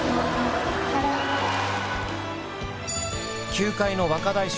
球界の若大将